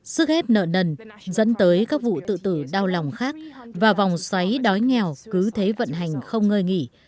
sức ép nợ nần dẫn tới các vụ tự tử đau lòng khác và vòng xoáy đói nghèo cứ thế vận hành không ngơi nghỉ